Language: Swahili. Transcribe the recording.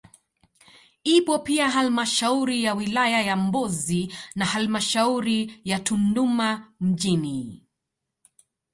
Ipo pia halmashauri ya wilaya ya Mbozi na halmashauri ya Tunduma mjini